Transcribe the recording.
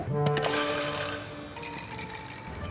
sampai diajak berita baru mau makan